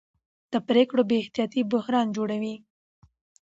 د پرېکړو بې احتیاطي بحران جوړوي